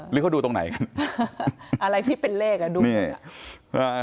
หรือเขาดูตรงไหนกันอะไรที่เป็นเลขอ่ะดูเนี่ย